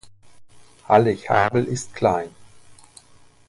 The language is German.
Hallig Habel ist klein.